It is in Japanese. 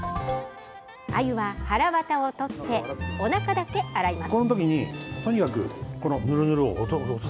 あゆは、はらわたを取っておなかだけ洗います。